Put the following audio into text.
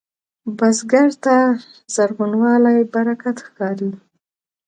بزګر ته زرغونوالی برکت ښکاري